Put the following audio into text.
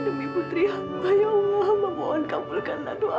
demi putri hamba yang mengamalkan pulkanlah doa